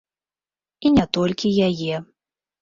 І не толькі яе.